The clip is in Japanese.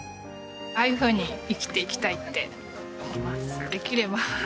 ああいうふうに生きていきたいって思います。